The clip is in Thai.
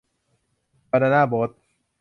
บานาน่าโบ๊ท